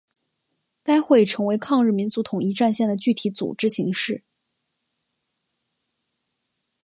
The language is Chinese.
该会成为抗日民族统一战线的具体组织形式。